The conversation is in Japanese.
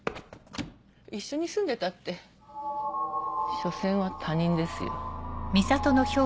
⁉一緒に住んでたってしょせんは他人ですよ。